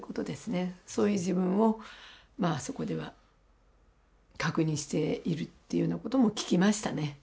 そういう自分をそこでは確認しているっていうようなことも聞きましたね。